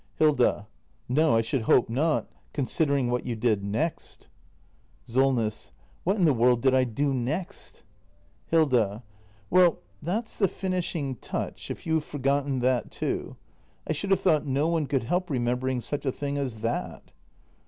Hilda. No, I should hope not — considering what you did next Solness. What in the world did I do next? Hilda. Well, that's the finishing touch, if you have forgotten that too. I should have thought no one could help re membering such a thing as that.